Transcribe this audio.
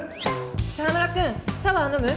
「沢村くんサワー飲む？」。